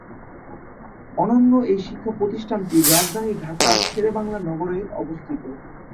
অনন্য এই শিক্ষা প্রতিষ্ঠানটি রাজধানী ঢাকার শেরেবাংলা নগরে অবস্থিত।